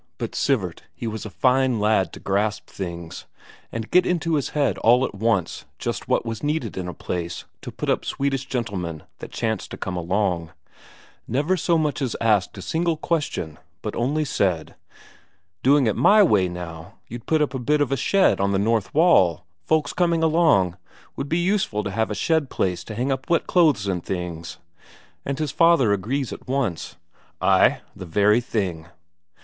But Sivert, he was a fine lad to grasp things, and get into his head all at once just what was needed in a place to put up Swedish gentlemen that chanced to come along; never so much as asked a single question, but only said: "Doing it my way, now, you'd put up a bit of a shed on the north wall. Folks coming along, 'd be useful to have a shed place to hang up wet clothes and things." And his father agrees at once: "Ay, the very thing."